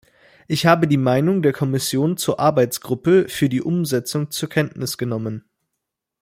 Ich habe die Meinung der Kommission zur Arbeitsgruppe für die Umsetzung zur Kenntnis genommen.